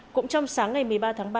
cũng trong sáng ngày một mươi ba tháng ba